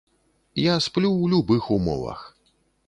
Я сплю ў любых умовах.